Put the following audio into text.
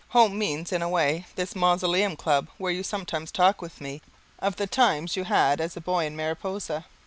"Home" means, in a way, this Mausoleum Club where you sometimes talk with me of the times that you had as a boy in Mariposa.